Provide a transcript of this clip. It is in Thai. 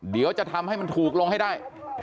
เดี๋ยวจะทำให้มันถูกลงให้ได้